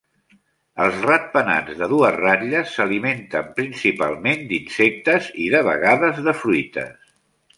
Els ratpenats de dues ratlles s'alimenten principalment d'insectes i, de vegades, de fruites.